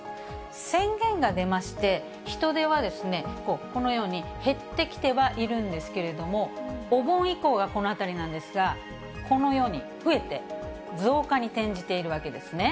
宣言が出まして、人出はこのように減ってきてはいるんですけれども、お盆以降がこの辺りなんですが、このように増えて、増加に転じているわけですね。